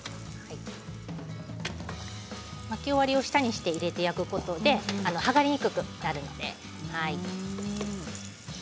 巻き終わりを下にして入れて焼くことで剥がれにくくなるので。